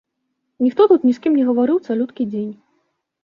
Ніхто тут ні з кім не гаварыў цалюткі дзень.